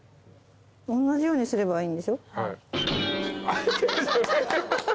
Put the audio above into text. おんなじようにすればいいんでしょ？